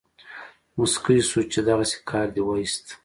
موسکی شو چې دغسې کار دې وایست.